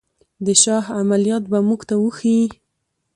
د شاه عملیات به موږ ته وښيي.